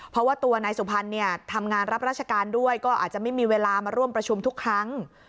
เพราะว่าตัวนายสุพรรณเนี่ยทำงานรับราชการด้วยก็อาจจะไม่มีเวลามาร่วมประชุมทุกครั้ง